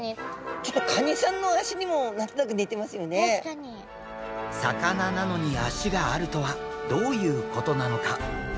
ちょっと魚なのに足があるとはどういうことなのか？